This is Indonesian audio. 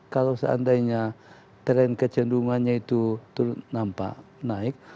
kalau seandainya trend kecendungannya itu nampak naik